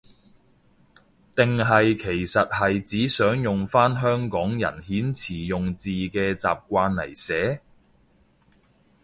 定係其實係指想用返香港人遣詞用字嘅習慣嚟寫？